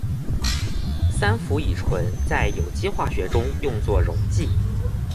三氟乙醇在有机化学中用作溶剂。